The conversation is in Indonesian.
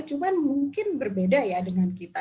cuman mungkin berbeda ya dengan kita